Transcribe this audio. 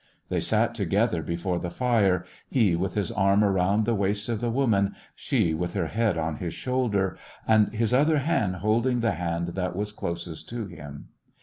They sat together before the fire, he with his arm around the waist of the woman, she with her head on his shoulder, and his other hand holding the hand that was clos est to him.